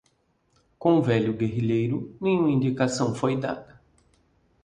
Com o velho guerrilheiro, nenhuma indicação foi dada.